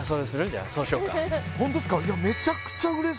じゃあそうしようかホントっすか？